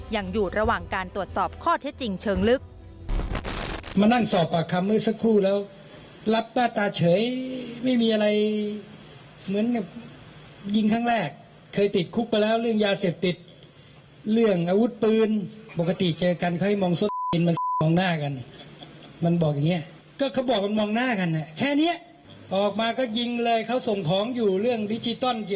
ยังอยู่ระหว่างการตรวจสอบข้อเท็จจริงเชิงลึก